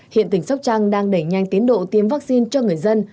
hiện tỉnh sóc trăng đang đẩy nhanh tiến độ tiêm vaccine cho người dân